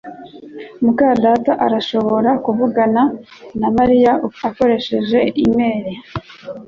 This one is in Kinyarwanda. muka data arashobora kuvugana na Mariya ukoresheje imeri